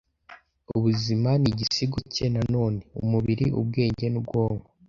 Ubuzima nigisigo cye noneho; umubiri, ubwenge, n'ubwonko